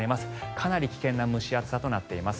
かなり危険な蒸し暑さとなっています。